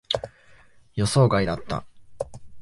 予想外だった。